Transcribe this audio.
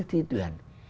có những thi tuyển